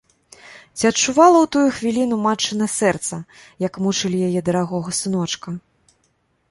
Ці адчувала ў тую хвіліну матчына сэрца, як мучылі яе дарагога сыночка?